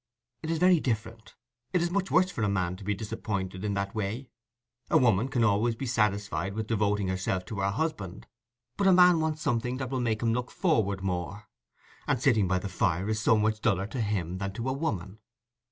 "It is very different—it is much worse for a man to be disappointed in that way: a woman can always be satisfied with devoting herself to her husband, but a man wants something that will make him look forward more—and sitting by the fire is so much duller to him than to a woman."